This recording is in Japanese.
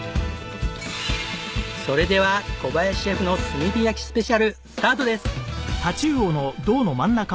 それでは小林シェフの炭火焼きスペシャルスタートです！